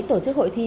tổ chức hội thi